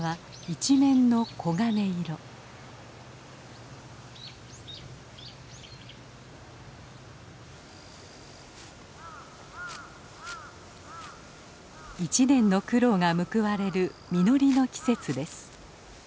一年の苦労が報われる実りの季節です。